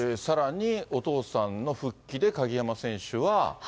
さらに、お父さんの復帰で鍵山選手は。